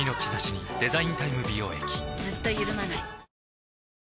ずっとゆるまない。